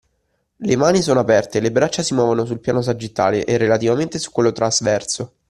Le mani sono aperte e le braccia si muovono sul piano sagittale (e relativamente su quello trasverso).